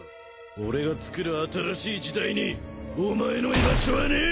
俺がつくる新しい時代にお前の居場所はねえ！